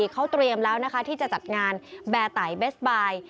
เขาเตรียมแล้วนะคะที่จะจัดงานแบร์ไต่เบสบาย